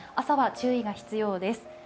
朝は注意が必要です。